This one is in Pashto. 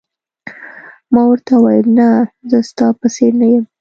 ما ورته وویل: نه، زه ستا په څېر نه یم.